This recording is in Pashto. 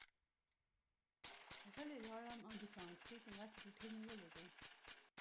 غلی لاړم او د کانکریټ غټې ټوټې مې ولیدې